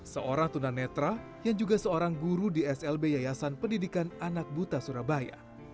seorang tunanetra yang juga seorang guru di slb yayasan pendidikan anak buta surabaya